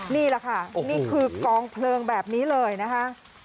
นี่แหละค่ะนี่คือกองเพลิงแบบนี้เลยนะคะ